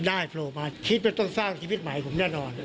โดยรสภาพความเป็นอยู่จริงก็เห็นกันอยู่แล้ว